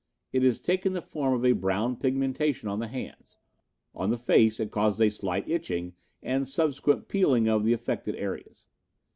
"It has taken the form of a brown pigmentation on the hands. On the face it causes a slight itching and subsequent peeling of the affected areas."